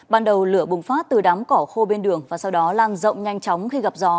ban đầu lửa bùng phát từ đám cỏ khô bên đường và sau đó lan rộng nhanh chóng khi gặp gió